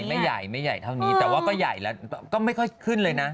ไม่ใหญ่ไม่ใหญ่เท่านี้แต่ว่าก็ใหญ่แล้วก็ไม่ค่อยขึ้นเลยนะ